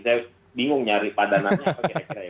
saya bingung nyari padanannya